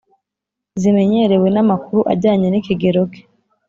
zimenyerewe n’amakuru ajyanye n’ikigero ke